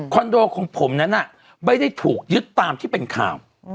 โดของผมนั้นไม่ได้ถูกยึดตามที่เป็นข่าว